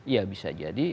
ya bisa jadi